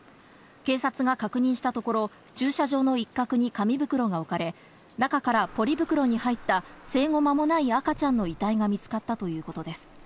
警察が確認したところ、駐車場の一角に紙袋が置かれ、中からポリ袋に入った生後まもない赤ちゃんの遺体が見つかったということです。